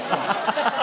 ハハハ！